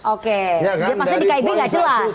oke jadi di kib tidak jelas